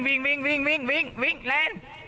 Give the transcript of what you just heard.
วิ่งเล่น